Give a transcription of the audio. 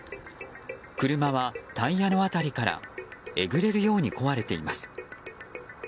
車はタイヤの辺りからえぐれるように壊れています。